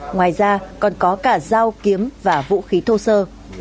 ngoài ra còn có cả dao kiếm và vũ khí thô sơ